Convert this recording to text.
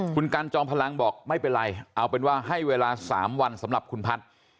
คุณกันจอมพลังบอกไม่เป็นไรเอาเป็นว่าให้เวลา๓วันสำหรับคุณพัฒน์